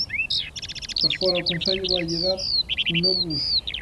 Agora o Concello vaille dar un novo uso.